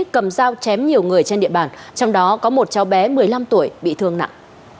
cầm dao chém nhiều người trên địa bàn trong đó có một cháu bé một mươi năm tuổi bị thương nặng